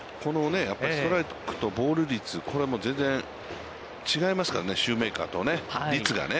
やっぱりストライクとボール率、これは全然、違いますからね、シューメーカーとね。